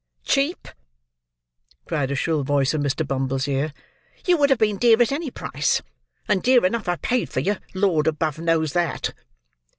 "Cheap!" cried a shrill voice in Mr. Bumble's ear: "you would have been dear at any price; and dear enough I paid for you, Lord above knows that!"